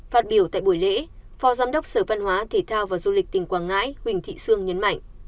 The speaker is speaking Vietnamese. phát biểu tại buổi lễ phó giám đốc sở văn hóa thể thao và du lịch tỉnh quảng ngãi huỳnh thị sương nhấn mạnh